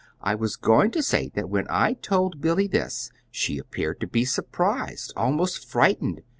I was going to say that when I told Billy this, she appeared to be surprised, and almost frightened.